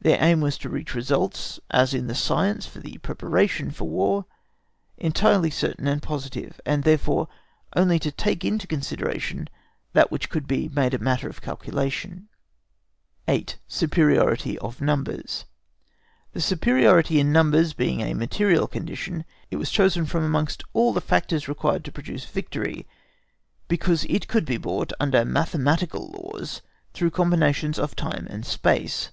Their aim was to reach results, as in the science for the preparation for War, entirely certain and positive, and therefore only to take into consideration that which could be made matter of calculation. 8. SUPERIORITY OF NUMBERS. The superiority in numbers being a material condition, it was chosen from amongst all the factors required to produce victory, because it could be brought under mathematical laws through combinations of time and space.